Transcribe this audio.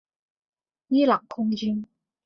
伊朗空军。